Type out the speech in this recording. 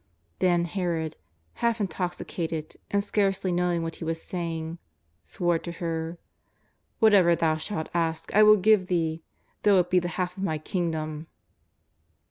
Then Herod, half intoxicated, and scarcely knowing what he was say ing, swore to her: " Whatsoever thou shalt ask I will give thee, though it be the half of my kingdom."